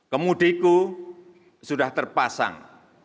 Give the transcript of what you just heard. kemudiku sudah terpasang